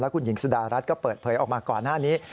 คุณหญิงสุดารัฐก็เปิดเผยออกมาก่อนหน้านี้